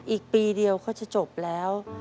อีกปีเดียวเขาจะจบแล้ว